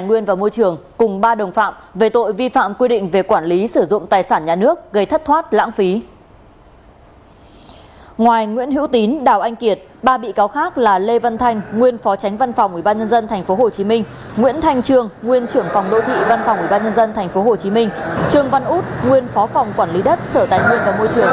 nguyễn hữu tín đào anh kiệt ba bị cáo khác là lê vân thanh nguyên phó tránh văn phòng ubnd tp hcm nguyễn thanh trường nguyên trưởng phòng lộ thị văn phòng ubnd tp hcm trường văn út nguyên phó phòng quản lý đất sở tài nguyên và môi trường